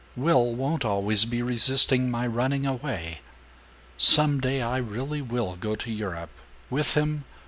Will won't always be resisting my running away. Some day I really will go to Europe with him .